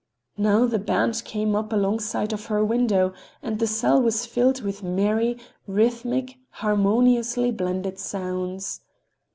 Now the band came up alongside of her window and the cell was filled with merry, rhythmic, harmoniously blended sounds.